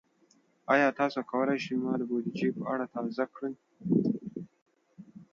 ایا تاسو کولی شئ ما د بودیجې په اړه تازه کړئ؟